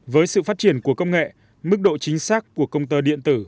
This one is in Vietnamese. với sự phát triển của công nghệ mức độ chính xác của công tơ điện tử